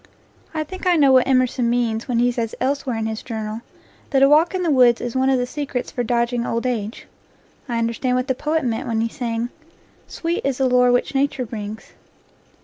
I think I know what Emerson means when he says elsewhere in his Journal that a walk in the woods is one of the secrets for dodging old age. I understand what the poet meant when he sang: "Sweet is the lore which Nature brings."